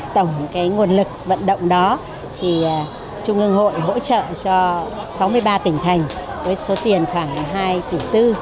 tổng nguồn lực vận động đó thì trung ương hội hỗ trợ cho sáu mươi ba tỉnh thành với số tiền khoảng hai tỷ tư